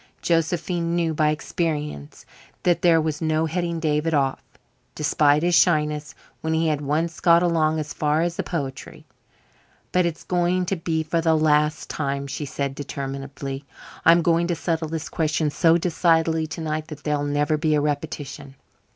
Josephine knew by experience that there was no heading David off, despite his shyness, when he had once got along as far as the poetry. "But it's going to be for the last time," she said determinedly. "I'm going to settle this question so decidedly to night that there'll never be a repetition."